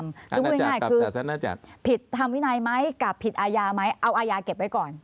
คือพูดง่ายคือผิดทางวินัยไหมกับผิดอาญาไหมเอาอาญาเก็บไว้ก่อน